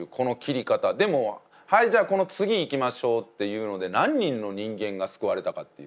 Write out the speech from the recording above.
でも「はいじゃあこの次いきましょう」っていうので何人の人間が救われたかっていう。